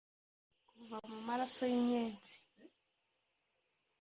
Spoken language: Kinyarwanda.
"kuva mu maraso y'inyenzi